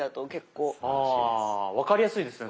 ああ分かりやすいですね。